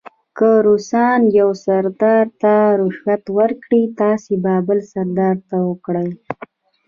که روسان یو سردار ته رشوت ورکړي تاسې به یې بل سردار ته ورکړئ.